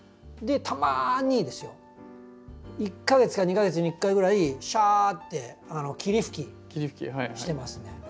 でたまにですよ１か月か２か月に１回ぐらいシャーって霧吹きしてますね。